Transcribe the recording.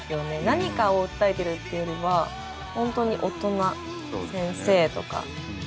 何かを訴えてるっていうよりはホントに大人先生とか。